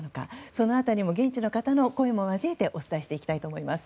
その辺り現地の方の声も交えてお伝えしていきたいと思います。